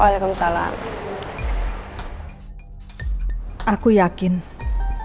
haris lama lama pasti akan luluh dengan kebaikan dan cintanya tanti